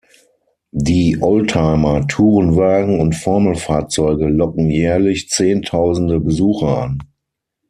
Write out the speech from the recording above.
Die Oldtimer, Tourenwagen und Formel-Fahrzeuge locken jährlich zehntausende Besucher an.